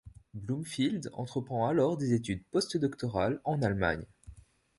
Bloomfield entreprend alors des études postdoctorales en Allemagne.